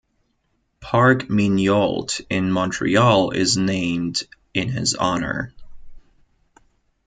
Parc Mignault in Montreal is named in his honour.